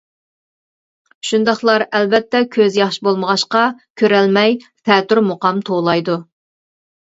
شۇنداقلار ئەلۋەتتە كۆزى ياخشى بولمىغاچقا كۆرەلمەي تەتۈر مۇقام توۋلايدۇ.